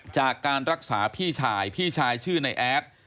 จากการรักษาพี่ชายพี่ชายชื่อในแอด